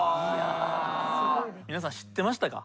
皆さん知ってましたか？